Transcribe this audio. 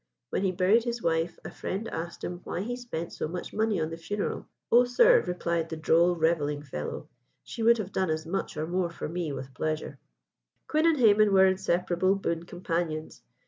When he buried his wife, a friend asked him why he spent so much money on the funeral. "Oh, sir," replied the droll, revelling fellow, "she would have done as much or more for me with pleasure." Quin and Hayman were inseparable boon companions.